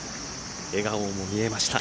笑顔も見えました。